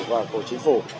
và của chính phủ